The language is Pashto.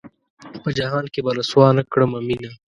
پۀ جهان کښې به رسوا نۀ کړمه مينه